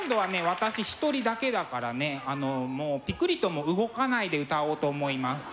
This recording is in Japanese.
私一人だけだからねあのもうピクリとも動かないで歌おうと思います。